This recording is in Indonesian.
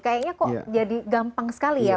kayaknya kok jadi gampang sekali ya